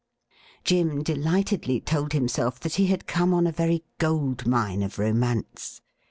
Jim delightedly told himself that he had come on a very gold mine of romance.